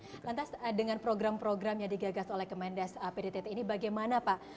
lantas dengan program program yang digagas oleh kemendes pdtt ini bagaimana pak